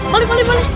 balik balik balik